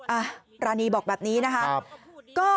ปรานีบอกแบบนี้นะคะ